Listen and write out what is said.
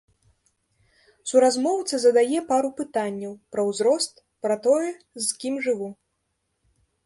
Суразмоўца задае пару пытанняў, пра ўзрост, пра тое, з кім жыву.